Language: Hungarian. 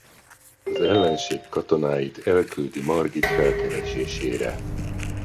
Az ellenség katonáit elküldi Margit felkeresésére.